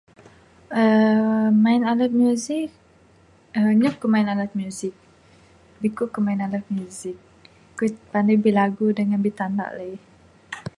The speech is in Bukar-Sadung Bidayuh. uhh Main alat musik, uhh nyap kuk main alat musik. Bikuk ku main alat musik. Ku pandai bilagu ngan bitandak lai.